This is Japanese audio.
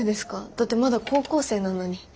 だってまだ高校生なのに。